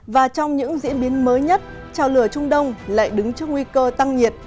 và trong những diễn biến mới nhất trào lửa trung đông lại đứng trước nguy cơ tăng nhiệt